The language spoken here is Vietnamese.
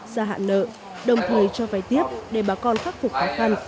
xa hạ nợ đồng thời cho vay tiếp để bà con khắc phục khó khăn